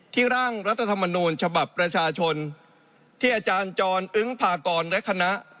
ร่างรัฐธรรมนูญฉบับประชาชนที่อาจารย์จรอึ้งพากรและคณะ